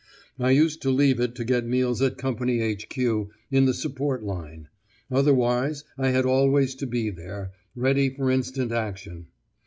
I used to leave it to get meals at Company H.Q. in the support line; otherwise, I had always to be there, ready for instant action.